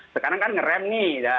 sekarang kan ngerem nih